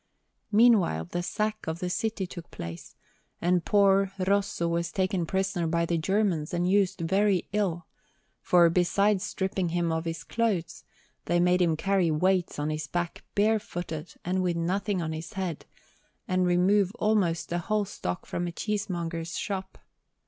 Meanwhile the sack of the city took place, and poor Rosso was taken prisoner by the Germans and used very ill, for, besides stripping him of his clothes, they made him carry weights on his back barefooted and with nothing on his head, and remove almost the whole stock from a cheesemonger's shop.